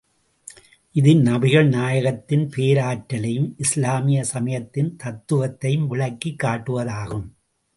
இது நபிகள் நாயகத்தின் பேராற்றலையும், இஸ்லாமிய சமயத்தின் தத்துவத்தையும் விளக்கிக் காட்டுவதாகும்.